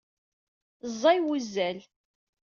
Ẓẓay wuzzal.